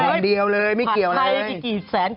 คนเดียวเลยไม่เกี่ยวเลย